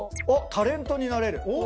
「タレントになれる」